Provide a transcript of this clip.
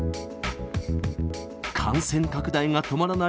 感染拡大が止まらない